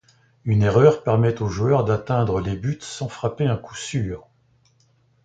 Une erreur permet au joueur d'atteindre les buts sans frapper un coup sûr.